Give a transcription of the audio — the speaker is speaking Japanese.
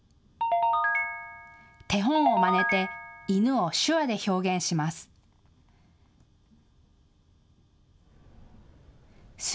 手本をまねて犬を手話で表現します。